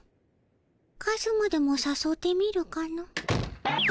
カズマでもさそうてみるかの。